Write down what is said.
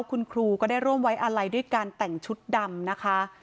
คุณครูก็ได้ร่วมไว้อาลัยด้วยการแต่งชุดดำนะคะ